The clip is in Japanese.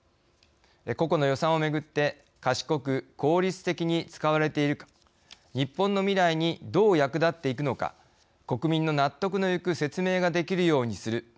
個々の予算をめぐって賢く効率的に使われているか日本の未来にどう役立っていくのか国民の納得のいく説明ができるようにする。